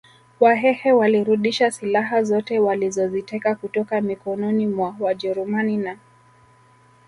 Wahehe walirudisha silaha zote walizoziteka kutoka mikononi mwa wajerumani na